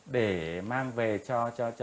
để mang về cho